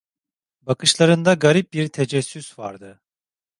Bakışlarında garip bir tecessüs vardı.